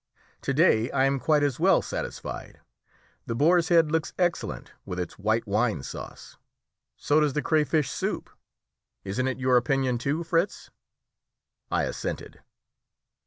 To day I am quite as well satisfied. The boar's head looks excellent with its white wine sauce; so does the crayfish soup. Isn't it your opinion too, Fritz?" I assented.